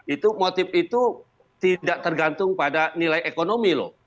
itu motif itu tidak tergantung pada nilai ekonomi loh